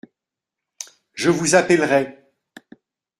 Je vous appellerai.